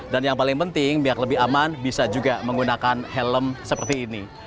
dan yang paling penting biar lebih aman bisa juga menggunakan helm seperti ini